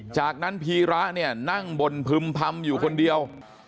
จากนั้นพีระเนี่ยนั่งบนพึ่มพำอยู่คนเดียว